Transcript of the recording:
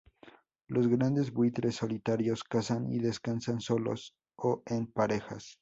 Los grandes buitres solitarios cazan y descansan solos o en parejas.